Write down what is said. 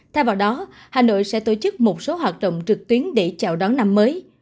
thay vào đó hà nội sẽ tổ chức một số hoạt động trực tuyến để chào đón năm mới